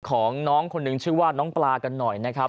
ของน้องคนหนึ่งชื่อว่าน้องปลากันหน่อยนะครับ